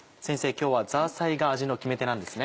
今日はザーサイが味の決め手なんですね。